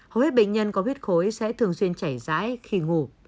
hầu hết bệnh nhân có huyết khối sẽ thường xuyên chảy rãi khi ngủ